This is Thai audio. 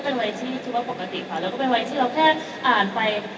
เป็นวัยที่ว่าปกติค่ะแล้วก็เป็นวัยที่เราแค่อ่านไป